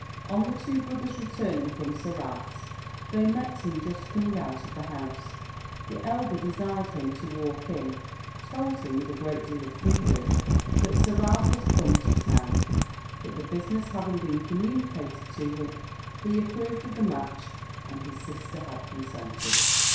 On the two brothers returning from Sir Ralph's, they met him just coming out of the house; the elder desired him to walk in told him, with a great deal of freedom, that Sir Ralph was come to town; that the business having been communicated to him, he approved of the match, and his sister had consented.